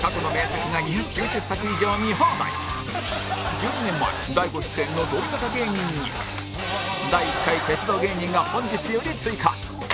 １２年前大悟出演のド田舎芸人に第１回鉄道芸人が本日より追加